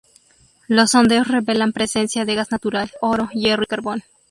Los sondeos revelan presencia de gas natural, oro, hierro y carbón.